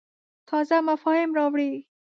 تازه مفاهیم راوړې.